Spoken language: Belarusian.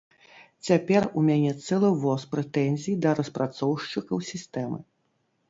Цяпер у мяне цэлы воз прэтэнзій да распрацоўшчыкаў сістэмы.